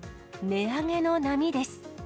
値上げの波です。